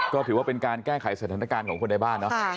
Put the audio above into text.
ก็ถือว่าเป็นการแก้ไขสถานการณ์ของคนในบ้านเนาะ